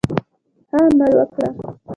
ښه عمل وکړه.